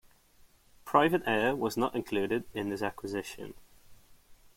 "Private Air" was not included in this acquisition.